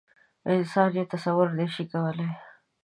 انسان یې تصویر نه شي کولی.